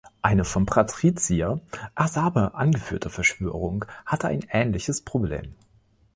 Eine vom Patrizier Arsaber angeführte Verschwörung hatte ein ähnliches Problem.